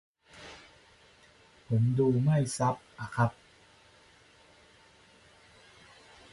ผมดูไม่ซับอะครับ